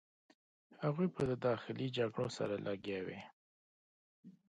هغوی په داخلي جګړو سره لګیا وې.